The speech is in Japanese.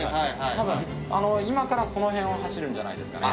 多分今からその辺を走るんじゃないですかね。